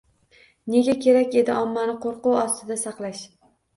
Nega kerak edi ommani qo‘rquv ostida saqlash?